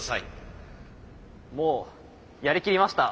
もうやり切りました。